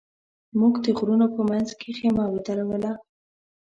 موږ د غرونو په منځ کې خېمه ودروله.